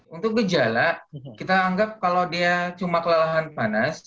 untuk gejala kita anggap kalau dia cuma kelelahan panas